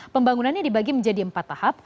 pembangunannya dibagi menjadi empat tahap